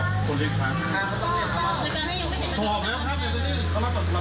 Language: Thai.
สอบแล้วครับเดี๋ยวตอนนี้เขารับสนับหน้าบแล้ว